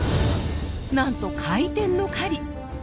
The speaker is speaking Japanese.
なんと「回転の狩り」！